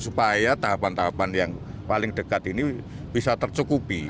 supaya tahapan tahapan yang paling dekat ini bisa tercukupi